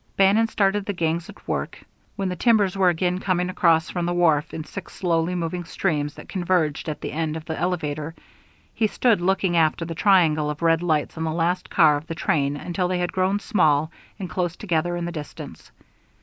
Bannon started the gangs at work. When the timbers were again coming across from the wharf in six slowly moving streams that converged at the end of the elevator, he stood looking after the triangle of red lights on the last car of the train until they had grown small and close together in the distance.